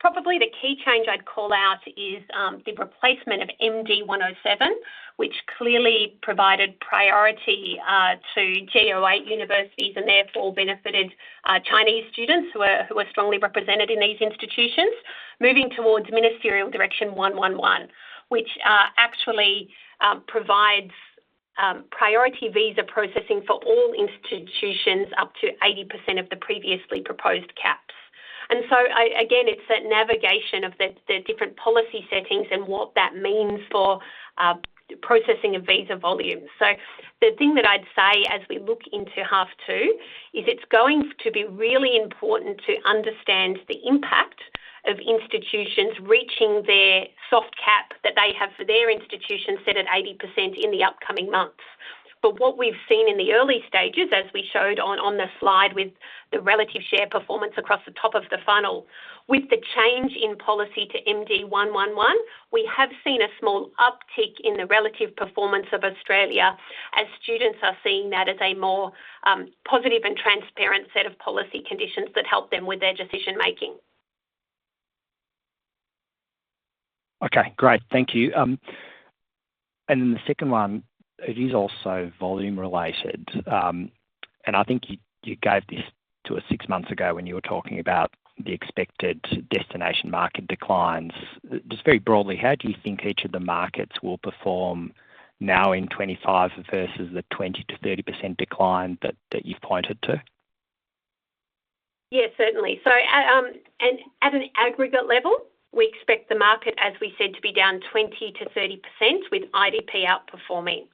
Probably the key change I'd call out is the replacement of MD107, which clearly provided priority to Go8 universities and therefore benefited Chinese students who were strongly represented in these institutions, moving towards Ministerial Direction 111, which actually provides priority visa processing for all institutions up to 80% of the previously proposed caps. And so again, it's that navigation of the different policy settings and what that means for processing of visa volumes. So the thing that I'd say as we look into half two is it's going to be really important to understand the impact of institutions reaching their soft cap that they have for their institutions set at 80% in the upcoming months. But what we've seen in the early stages, as we showed on the slide with the relative share performance across the top of the funnel, with the change in policy to MD111, we have seen a small uptick in the relative performance of Australia as students are seeing that as a more positive and transparent set of policy conditions that help them with their decision-making. Okay. Great. Thank you. And then the second one, it is also volume-related. And I think you gave this to us six months ago when you were talking about the expected destination market declines. Just very broadly, how do you think each of the markets will perform now in 2025 versus the 20%-30% decline that you've pointed to? Yeah, certainly. So at an aggregate level, we expect the market, as we said, to be down 20%-30% with IDP outperforming.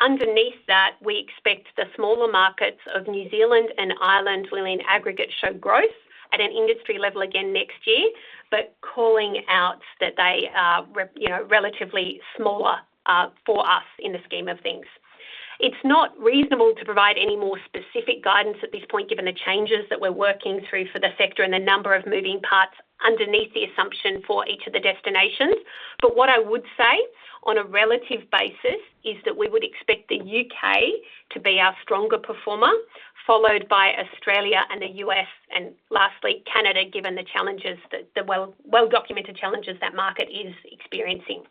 Underneath that, we expect the smaller markets of New Zealand and Ireland will, in aggregate, show growth at an industry level again next year, but calling out that they are relatively smaller for us in the scheme of things. It's not reasonable to provide any more specific guidance at this point, given the changes that we're working through for the sector and the number of moving parts underneath the assumption for each of the destinations. But what I would say on a relative basis is that we would expect the U.K. to be our stronger performer, followed by Australia and the U.S., and lastly, Canada, given the well-documented challenges that market is experiencing.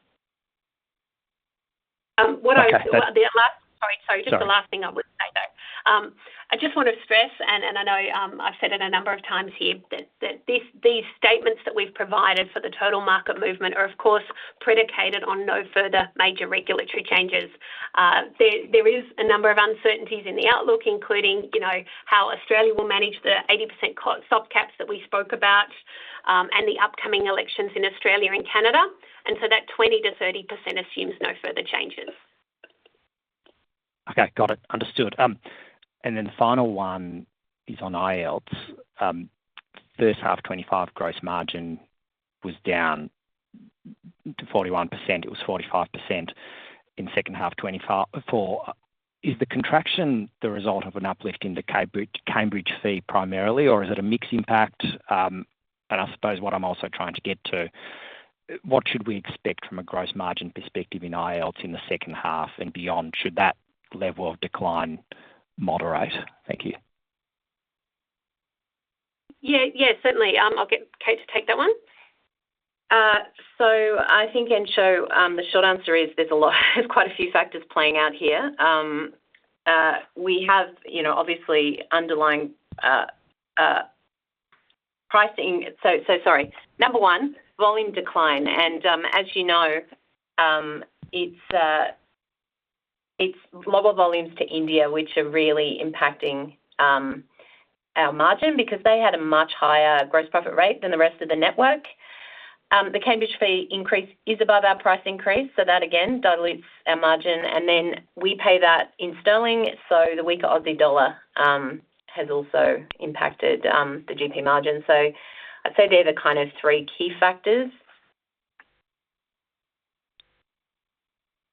The last - sorry. So just the last thing I would say, though, I just want to stress, and I know I've said it a number of times here, that these statements that we've provided for the total market movement are, of course, predicated on no further major regulatory changes. There is a number of uncertainties in the outlook, including how Australia will manage the 80% soft caps that we spoke about and the upcoming elections in Australia and Canada, and so that 20%-30% assumes no further changes. Okay. Got it. Understood. And then the final one is on IELTS. First half 25 gross margin was down to 41%. It was 45% in second half 24. Is the contraction the result of an uplift in the Cambridge fee primarily, or is it a mixed impact? And I suppose what I'm also trying to get to, what should we expect from a gross margin perspective in IELTS in the second half and beyond? Should that level of decline moderate? Thank you. Yeah. Yeah, certainly. I'll get Kate to take that one. So I think, Entcho, the short answer is there's quite a few factors playing out here. We have obviously underlying pricing. So sorry. number one, volume decline. And as you know, it's global volumes to India, which are really impacting our margin because they had a much higher gross profit rate than the rest of the network. The Cambridge fee increase is above our price increase. So that, again, dilutes our margin. And then we pay that in sterling. So the weaker Aussie dollar has also impacted the GP margin. So I'd say they're the kind of three key factors.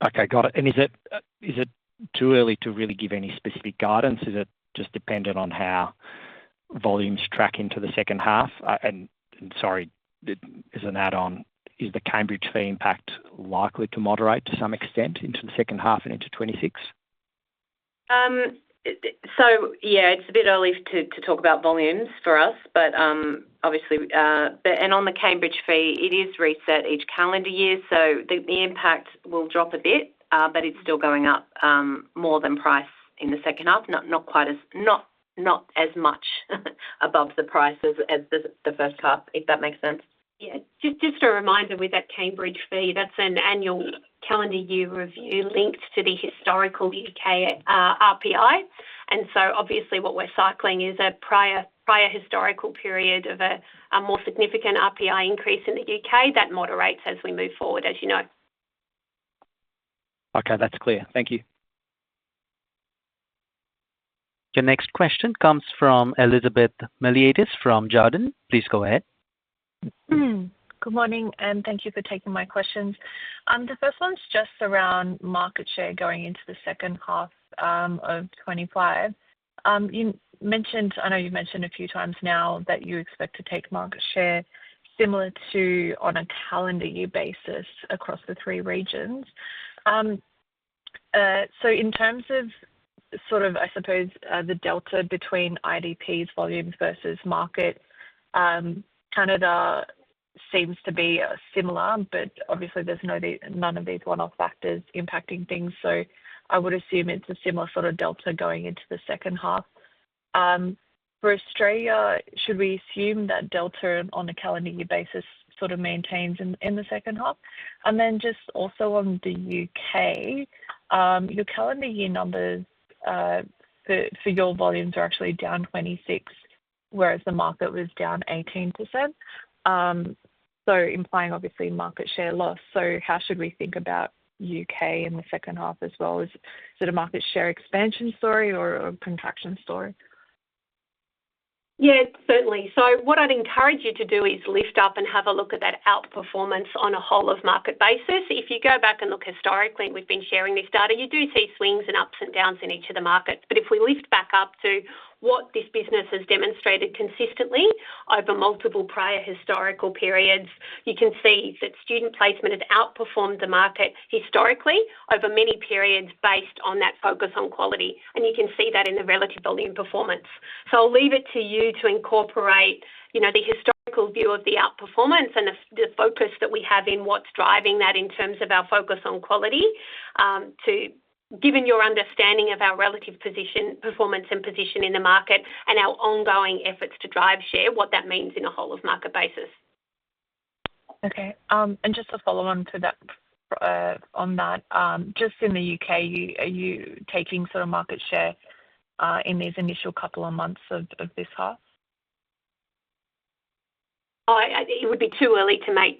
Okay. Got it. And is it too early to really give any specific guidance? Is it just dependent on how volumes track into the second half? And sorry, as an add-on, is the Cambridge fee impact likely to moderate to some extent into the second half and into 2026? Yeah, it's a bit early to talk about volumes for us, but obviously. On the Cambridge fee, it is reset each calendar year. The impact will drop a bit, but it's still going up more than price in the second half. No, No, No, Not as much above the price as the first half, if that makes sense. Yeah. Just a reminder with that Cambridge fee, that's an annual calendar year review linked to the historical U.K. RPI. Obviously, what we're cycling is a prior historical period of a more significant RPI increase in the U.K.. That moderates as we move forward, as you know. Okay. That's clear. Thank you. Your next question comes from Elizabeth Miliatis from Jarden. Please go ahead. Good morning, and thank you for taking my questions. The first one's just around market share going into the second half of 2025. I know you've mentioned a few times now that you expect to take market share similar to on a calendar year basis across the three regions. So in terms of sort of, I suppose, the delta between IDP's volumes versus market, Canada seems to be similar, but obviously, there's none of these one-off factors impacting things. So I would assume it's a similar sort of delta going into the second half. For Australia, should we assume that delta on a calendar year basis sort of maintains in the second half? And then just also on the U.K., your calendar year numbers for your volumes are actually down 26%, whereas the market was down 18%. So implying, obviously, market share loss. So how should we think about U.K. in the second half as well? Is it a market share expansion story or a contraction story? Yeah, certainly. So what I'd encourage you to do is lift up and have a look at that outperformance on a whole-of-market basis. If you go back and look historically, and we've been sharing this data, you do see swings and ups and downs in each of the markets. But if we lift back up to what this business has demonstrated consistently over multiple prior historical periods, you can see that student placement has outperformed the market historically over many periods based on that focus on quality. And you can see that in the relative volume performance. So I'll leave it to you to incorporate the historical view of the outperformance and the focus that we have in what's driving that in terms of our focus on quality, given your understanding of our relative performance and position in the market and our ongoing efforts to drive share. What that means in a whole-of-market basis. Okay. And just to follow on to that, just in the U.K., are you taking sort of market share in these initial couple of months of this half? It would be too early to make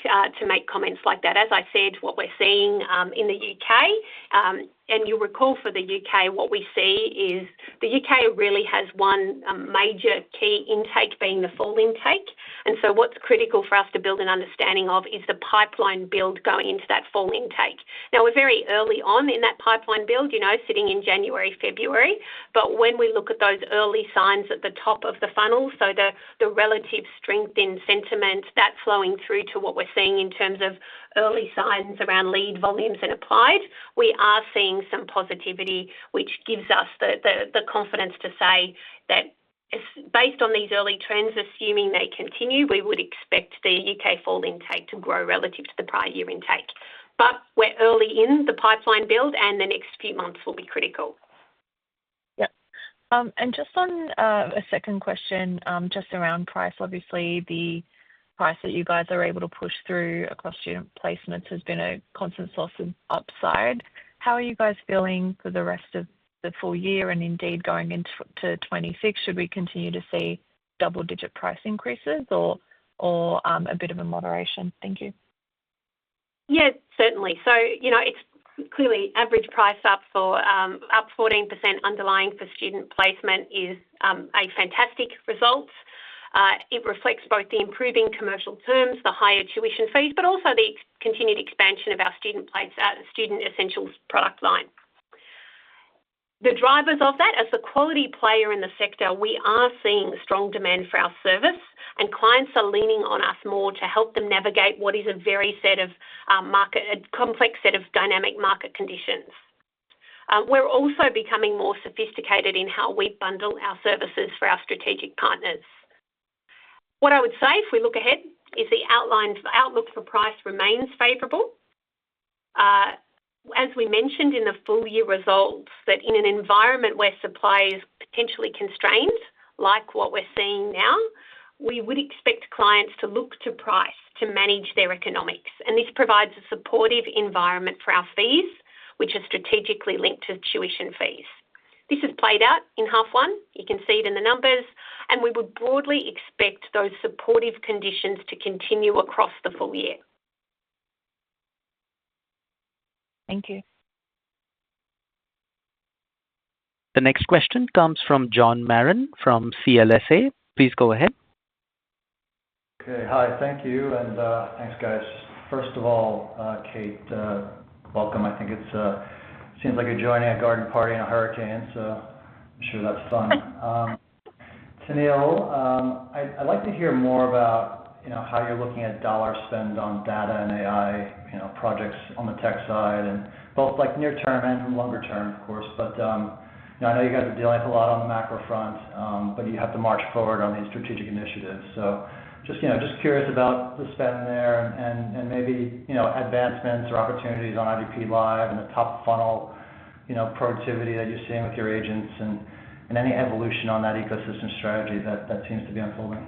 comments like that. As I said, what we're seeing in the U.K., and you'll recall for the U.K., what we see is the U.K. really has one major key intake being the fall intake. And so what's critical for us to build an understanding of is the pipeline build going into that fall intake. Now, we're very early on in that pipeline build, sitting in January, February. But when we look at those early signs at the top of the funnel, so the relative strength in sentiment, that's flowing through to what we're seeing in terms of early signs around lead volumes and applications, we are seeing some positivity, which gives us the confidence to say that based on these early trends, assuming they continue, we would expect the U.K. fall intake to grow relative to the prior year intake. We're early in the pipeline build, and the next few months will be critical. Yep. And just on a second question, just around price, obviously, the price that you guys are able to push through across student placements has been a constant source of upside. How are you guys feeling for the rest of the full year and indeed going into 2026? Should we continue to see double-digit price increases or a bit of a moderation? Thank you. Yeah, certainly. So it's clearly average price up 14% underlying for student placement is a fantastic result. It reflects both the improving commercial terms, the higher tuition fees, but also the continued expansion of our Student Essentials product line. The drivers of that, as the quality player in the sector, we are seeing strong demand for our service, and clients are leaning on us more to help them navigate what is a very complex set of dynamic market conditions. We're also becoming more sophisticated in how we bundle our services for our strategic partners. What I would say, if we look ahead, is the outlook for price remains favorable. As we mentioned in the full-year results, that in an environment where supply is potentially constrained, like what we're seeing now, we would expect clients to look to price to manage their economics. This provides a supportive environment for our fees, which are strategically linked to tuition fees. This has played out in half one. You can see it in the numbers. We would broadly expect those supportive conditions to continue across the full year. Thank you. The next question comes from John Marrin from CLSA. Please go ahead. Okay. Hi. Thank you. And thanks, guys. First of all, Kate, welcome. I think it seems like you're joining a garden party in a hurricane, so I'm sure that's fun. Tennealle, I'd like to hear more about how you're looking at dollar spend on data and AI projects on the tech side, both near-term and longer-term, of course. But I know you guys are dealing with a lot on the macro front, but you have to march forward on these strategic initiatives. So just curious about the spend there and maybe advancements or opportunities on IDP Live and the top funnel productivity that you're seeing with your agents and any evolution on that ecosystem strategy that seems to be unfolding.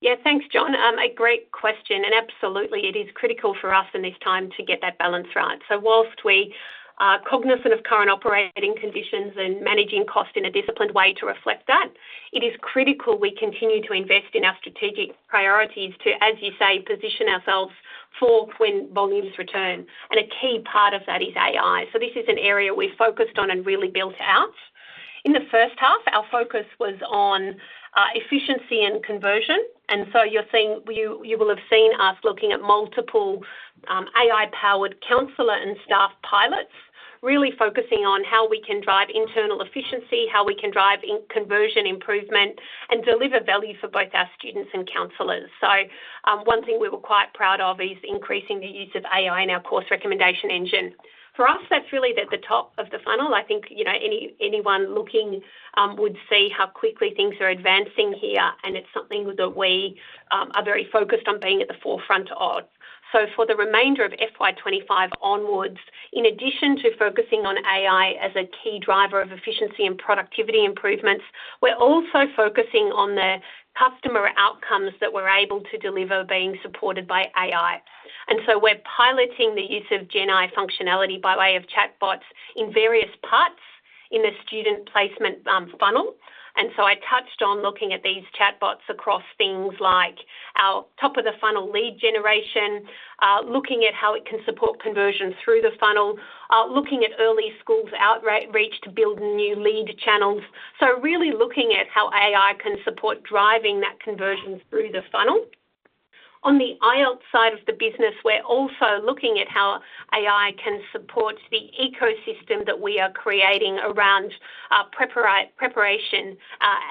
Yeah. Thanks, John. A great question. And absolutely, it is critical for us in this time to get that balance right. So while we are cognizant of current operating conditions and managing cost in a disciplined way to reflect that, it is critical we continue to invest in our strategic priorities to, as you say, position ourselves for when volumes return. And a key part of that is AI. So this is an area we've focused on and really built out. In the first half, our focus was on efficiency and conversion. And so you will have seen us looking at multiple AI-powered counselor and staff pilots, really focusing on how we can drive internal efficiency, how we can drive conversion improvement, and deliver value for both our students and counselors. So one thing we were quite proud of is increasing the use of AI in our course recommendation engine. For us, that's really at the top of the funnel. I think anyone looking would see how quickly things are advancing here, and it's something that we are very focused on being at the forefront of. So for the remainder of FY25 onwards, in addition to focusing on AI as a key driver of efficiency and productivity improvements, we're also focusing on the customer outcomes that we're able to deliver being supported by AI. And so we're piloting the use of GenAI functionality by way of chatbots in various parts in the student placement funnel. And so I touched on looking at these chatbots across things like our top-of-the-funnel lead generation, looking at how it can support conversion through the funnel, looking at early schools' outreach to build new lead channels. So really looking at how AI can support driving that conversion through the funnel. On the IELTS side of the business, we're also looking at how AI can support the ecosystem that we are creating around preparation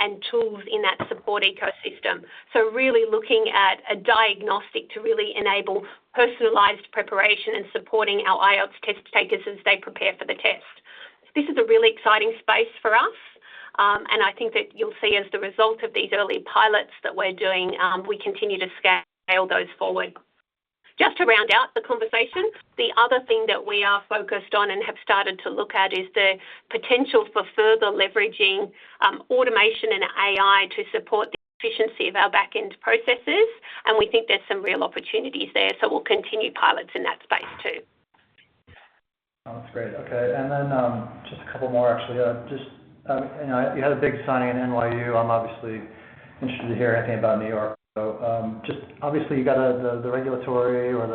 and tools in that support ecosystem, so really looking at a diagnostic to really enable personalized preparation and supporting our IELTS test takers as they prepare for the test. This is a really exciting space for us, and I think that you'll see as the result of these early pilots that we're doing, we continue to scale those forward. Just to round out the conversation, the other thing that we are focused on and have started to look at is the potential for further leveraging automation and AI to support the efficiency of our back-end processes, and we think there's some real opportunities there, so we'll continue pilots in that space too. That's great. Okay. And then just a couple more, actually. You had a big signing at NYU. I'm obviously interested to hear anything about New York. So just obviously, you got the regulatory or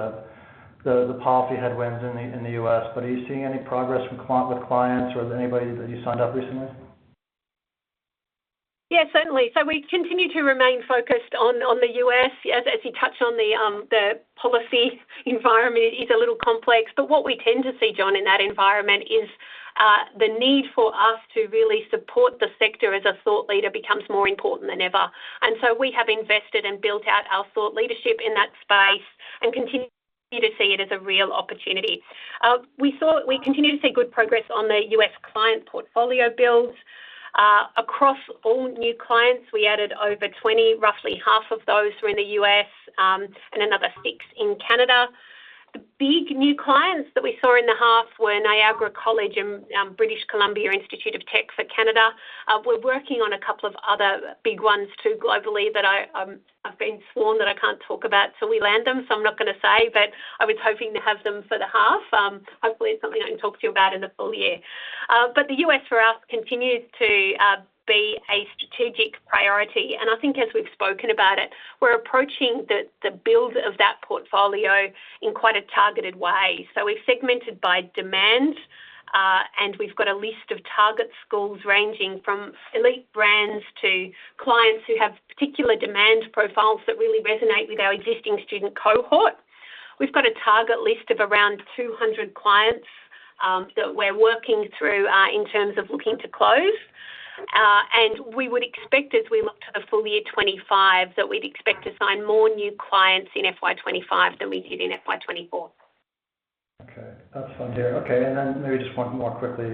the policy headwinds in the U.S., but are you seeing any progress with clients or with anybody that you signed up recently? Yeah, certainly. So we continue to remain focused on the US. As you touched on, the policy environment is a little complex. But what we tend to see, John, in that environment is the need for us to really support the sector as a thought leader becomes more important than ever. And so we have invested and built out our thought leadership in that space and continue to see it as a real opportunity. We continue to see good progress on the US client portfolio builds. Across all new clients, we added over 20. Roughly half of those were in the US and another six in Canada. The big new clients that we saw in the half were Niagara College and British Columbia Institute of Technology for Canada. We're working on a couple of other big ones too globally that I've been sworn that I can't talk about. So we land them, so I'm not going to say, but I was hoping to have them for the half. Hopefully, it's something I can talk to you about in the full year. But the U.S. for us continues to be a strategic priority. And I think as we've spoken about it, we're approaching the build of that portfolio in quite a targeted way. So we've segmented by demand, and we've got a list of target schools ranging from elite brands to clients who have particular demand profiles that really resonate with our existing student cohort. We've got a target list of around 200 clients that we're working through in terms of looking to close. And we would expect, as we look to the full year 2025, that we'd expect to sign more new clients in FY25 than we did in FY24. Okay. That's fine, dear. Okay. And then maybe just one more quickly.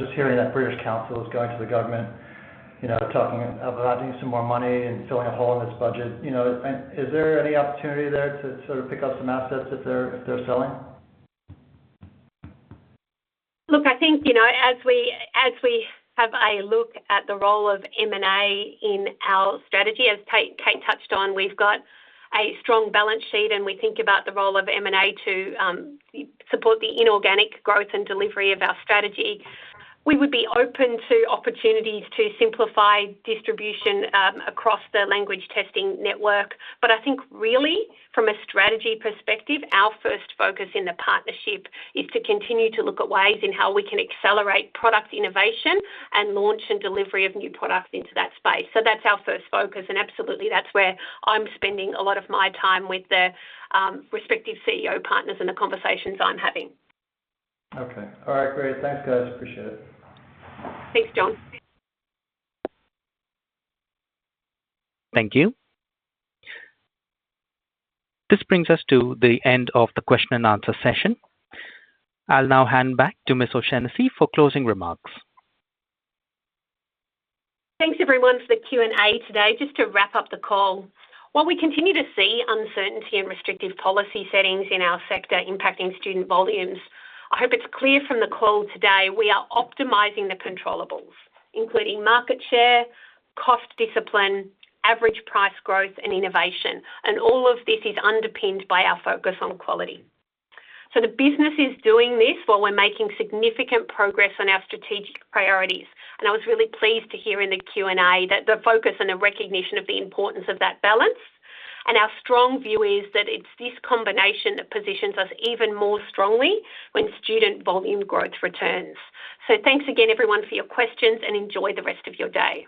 Just hearing that British Council is going to the government, talking about doing some more money and filling a hole in this budget, is there any opportunity there to sort of pick up some assets if they're selling? Look, I think as we have a look at the role of M&A in our strategy, as Kate touched on, we've got a strong balance sheet, and we think about the role of M&A to support the inorganic growth and delivery of our strategy. We would be open to opportunities to simplify distribution across the language testing network. But I think, really, from a strategy perspective, our first focus in the partnership is to continue to look at ways in how we can accelerate product innovation and launch and delivery of new products into that space. So that's our first focus. And absolutely, that's where I'm spending a lot of my time with the respective CEO partners and the conversations I'm having. Okay. All right. Great. Thanks, guys. Appreciate it. Thanks, John. Thank you. This brings us to the end of the question-and-answer session. I'll now hand back to Ms. O'Shaughnessy for closing remarks. Thanks, everyone, for the Q&A today. Just to wrap up the call, while we continue to see uncertainty and restrictive policy settings in our sector impacting student volumes, I hope it's clear from the call today we are optimizing the controllables, including market share, cost discipline, average price growth, and innovation. And all of this is underpinned by our focus on quality. So the business is doing this while we're making significant progress on our strategic priorities. And I was really pleased to hear in the Q&A that the focus and the recognition of the importance of that balance. And our strong view is that it's this combination that positions us even more strongly when student volume growth returns. So thanks again, everyone, for your questions, and enjoy the rest of your day.